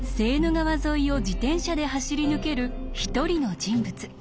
川沿いを自転車で走り抜ける一人の人物。